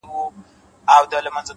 د عمل دوام بریا نږدې کوي؛